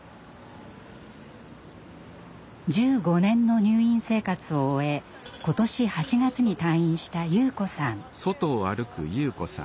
１５年の入院生活を終え今年８月に退院した優子さん。